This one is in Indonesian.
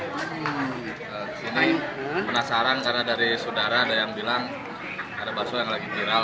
di sini penasaran karena dari saudara ada yang bilang ada bakso yang lagi viral